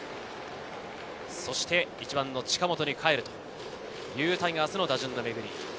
そして１番・近本にかえるというタイガースの打順のめぐりです。